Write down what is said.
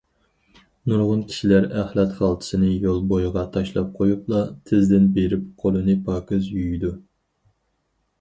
نۇرغۇن كىشىلەر ئەخلەت خالتىسىنى يول بويىغا تاشلاپ قويۇپلا تېزدىن بېرىپ قولىنى پاكىز يۇيىدۇ.